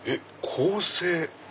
「構成。